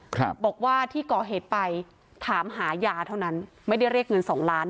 ครับบอกว่าที่ก่อเหตุไปถามหายาเท่านั้นไม่ได้เรียกเงินสองล้าน